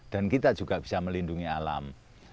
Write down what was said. kita juga bisa melindungi alam